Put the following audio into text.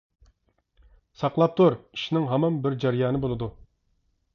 ساقلاپ تۇر، ئىشنىڭ ھامان بىر جەريانى بولىدۇ.